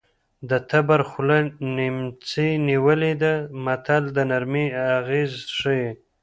د تبر خوله نیمڅي نیولې ده متل د نرمۍ اغېز ښيي